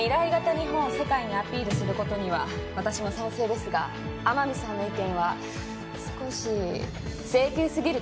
日本を世界にアピールすることには私も賛成ですが天海さんの意見は少し性急すぎる気がします